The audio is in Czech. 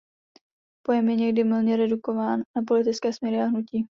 Pojem je někdy mylně redukován na politické směry a hnutí.